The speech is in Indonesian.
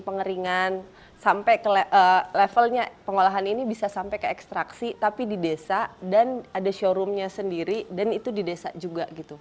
pengeringan sampai ke levelnya pengolahan ini bisa sampai ke ekstraksi tapi di desa dan ada showroomnya sendiri dan itu di desa juga gitu